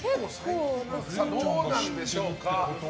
どうなんでしょうか。